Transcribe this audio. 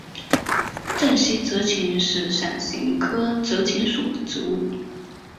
滇西泽芹是伞形科泽芹属的植物。